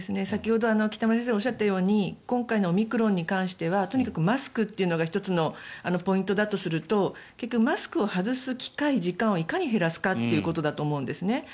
先ほど北村先生がおっしゃったように今回のオミクロン株に関してはとにかくマスクというのが１つのポイントだとすると結局マスクを外す機会、時間をいかに減らすかということだと思うんですね。